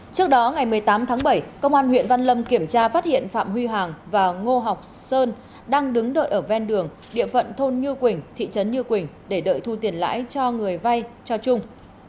trước đó ngày một mươi tám tháng bảy công an huyện văn lâm kiểm tra phát hiện phạm huy hoàng và ngô học sơn đang đứng đợi ở ven đường địa phận thôn như quỳnh thị trấn như quỳnh để đợi thu tiền lãi cho người vay cho trung